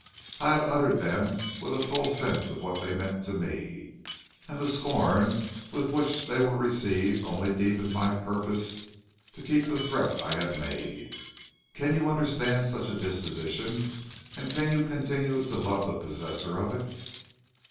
I had uttered them with a full sense of what they meant to me, and the scorn with which they were received only deepened my purpose to keep the threat I had made. Can you understand such a disposition, and can you continue to love the possessor of it?